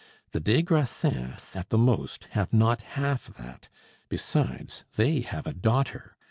The des Grassins, at the most, have not half that; besides, they have a daughter.